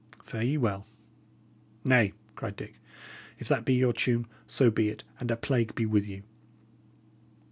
Fare ye well!" "Nay," cried Dick, "if that be your tune, so be it, and a plague be with you!"